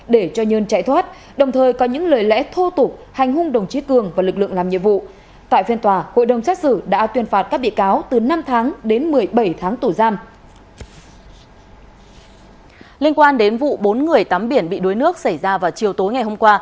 để cho nhân chạy thoát đồng thời có những lời lẽ thô tục hành hung đồng chí cường và lực lượng làm nhiệm vụ